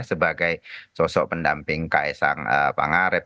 sebagai sosok pendamping ks ang pangarep